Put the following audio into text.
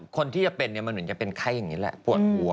คนที่จะเป็นมันเหมือนจะเป็นไข้อย่างนี้แหละปวดหัว